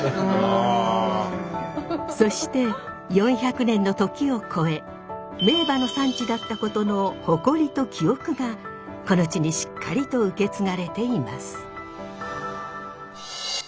そして４００年の時を超え名馬の産地だったことの誇りと記憶がこの地にしっかりと受け継がれています。